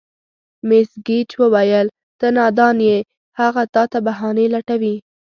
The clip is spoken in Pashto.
مېس ګېج وویل: ته نادان یې، هغه تا ته بهانې لټوي.